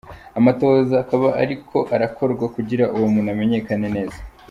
Amatohoza ''akaba ariko arakorwa'' kugira uwo muntu amenyekane neza.